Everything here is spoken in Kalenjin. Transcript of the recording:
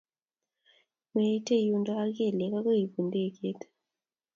Meite yundo ak kelyek akoi ibun ndeget